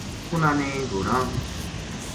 اِنھاں نے گھوڑاں